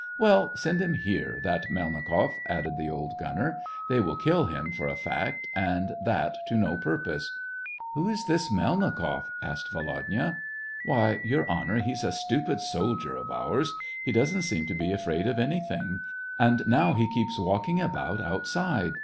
" Well, send him here, that Melnikoff," added" the old gunner ;" they will kill him, for a fact, and that to no purpose." "Who is this Melnikoff.?" asked Volodya. " Why, Your Honor, he's a stupid soldier of ours. He doesn't seem to be afraid of any thing, and now he keeps walking about outside.